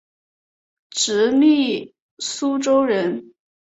直隶苏州人。